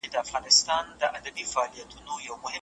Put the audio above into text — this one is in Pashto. موږ به سبا خپله څېړنه بشپړه کړو.